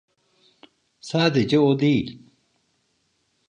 Sadece o değil.